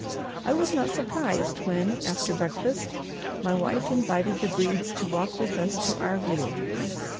I was not surprised when, after breakfast, my wife invited the Bredes to walk with us to "our view."